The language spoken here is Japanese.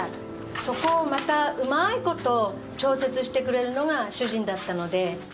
そこをまたうまいこと調節してくれるのが主人だったので。